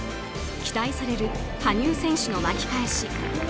期待される羽生選手の巻き返し。